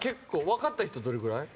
わかった人どれぐらい？